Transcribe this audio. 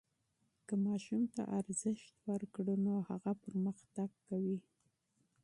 که ماسوم ته ارزښت ورکړو نو هغه وده کوي.